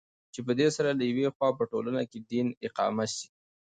چې پدي سره له يوې خوا په ټولنه كې دين اقامه سي